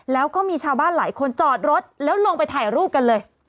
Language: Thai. แล้วก็มีชาวบ้านหลายคนจอดรถแล้วลงไปถ่ายรูปกันเลย